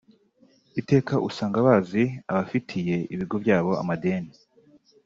Iteka usanga bazi abafitiye ibigo byabo ideni